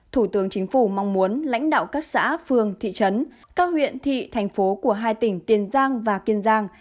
thủ tướng chính phủ mong muốn lãnh đạo các xã phường thị trấn các huyện thị thành phố của hai tỉnh tiền giang và kiên giang